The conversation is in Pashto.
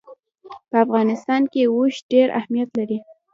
په افغانستان کې اوښ ډېر اهمیت لري.